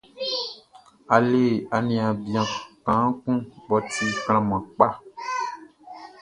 A le aniaan bian kaan kun mʼɔ ti klanman kpaʼn.